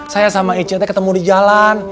saya sama ict ketemu di jalan